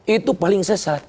itu paling sesat